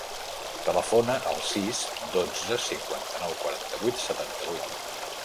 Telefona al sis, dotze, cinquanta-nou, quaranta-vuit, setanta-vuit.